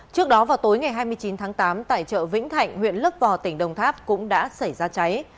trước đó vào tối ngày hai mươi chín tháng tám tại chợ vĩnh thạnh huyện lấp vò tỉnh đồng tháp cũng đã xảy ra cháy